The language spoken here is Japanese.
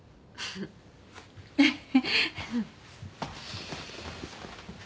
フフフ。